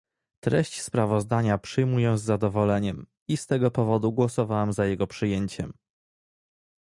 Treść sprawozdania przyjmuję z zadowoleniem i z tego powodu głosowałem za jego przyjęciem